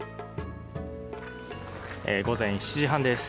午前７時半です。